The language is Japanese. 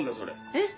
えっ！？